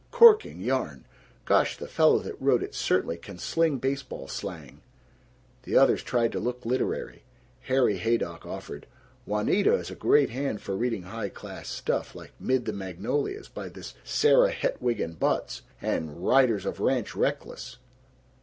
Corking yarn! Gosh, the fellow that wrote it certainly can sling baseball slang!" The others tried to look literary. Harry Haydock offered, "Juanita is a great hand for reading high class stuff, like 'Mid the Magnolias' by this Sara Hetwiggin Butts, and 'Riders of Ranch Reckless.'